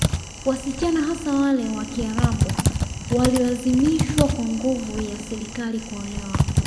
Wasichana hasa wale wa Kiarabu walilazimishwa kwa nguvu ya Serikali kuolewa